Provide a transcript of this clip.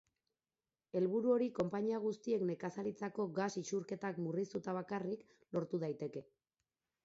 Helburu hori konpainia guztiek nekazaritzako gas isurketak murriztuta bakarrik lortu daiteke.